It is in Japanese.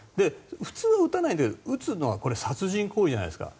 普通は撃たないけど撃つのは殺人行為じゃないですか。